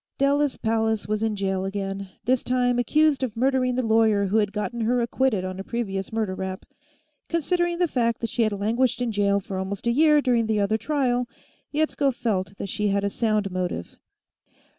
Della Pallas was in jail again, this time accused of murdering the lawyer who had gotten her acquitted on a previous murder rap. Considering the fact that she had languished in jail for almost a year during the other trial, Yetsko felt that she had a sound motive.